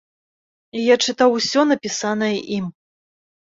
Я чытаў усё напісанае ім.